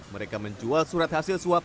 mereka menjual surat hasil swab